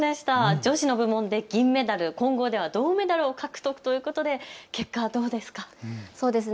女子の部門で銀メダル、混合では銅メダル獲得ということで、結果はどうですか。